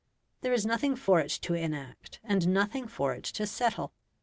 There is nothing for it to enact, and nothing for it to settle.